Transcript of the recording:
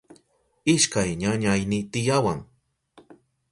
Ishkay ñañayni tiyawan.